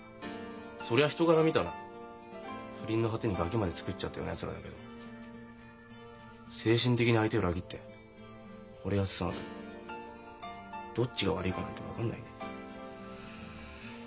そりゃ人から見たら不倫の果てにガキまでつくっちゃったようなやつらだけど精神的に相手裏切ってほれ合ってたのとどっちが悪いかなんて分かんないね。